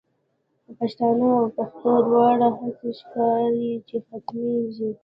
پښتانه او پښتو دواړه، هسی ښکاری چی ختمیږی